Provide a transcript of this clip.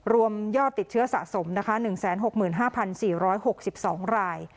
รวมยอดติดเชื้อสะสมนะคะหนึ่งแสนหกหมื่นห้าพันสี่ร้อยหกสิบสองราย